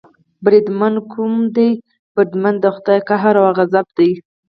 بریدمن، کوم دی بریدمن، د خدای قهر او غضب دې.